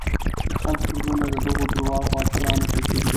د خلکو زړونه دغو دروغو اتلانو ته کېږي.